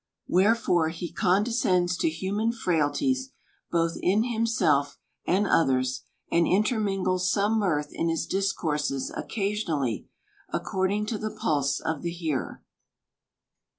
Wherefore he con descends to human frailties, both in himself and others ; and intermingles some mirth in his discourses occasion ally, according to the pulse of the hearer.